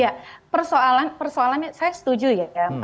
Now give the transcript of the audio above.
ya persoalan persoalannya saya setuju ya